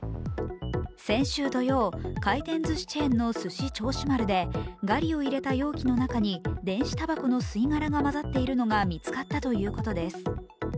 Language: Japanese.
先週土曜、回転ずしチェーンのすし銚子丸でガリを入れた容器の中に電子たばこの吸い殻が混ざっているのが見つかったということです。